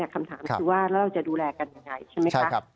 คำถามคือว่าแล้วเราจะดูแลกันยังไงใช่ไหมคะ